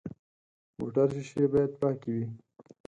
موټر شیشې باید پاکې وي.